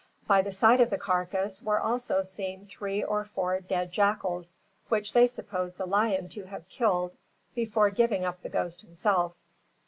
By the side of the carcass were also seen three or four dead jackals, which they supposed the lion to have killed before giving up the ghost himself.